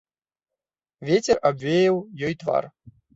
Вецер абвеяў ёй твар.